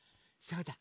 そうだ！